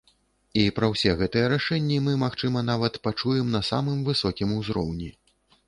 І пра ўсе гэтыя рашэнні мы, магчыма, нават пачуем на самым высокім узроўні.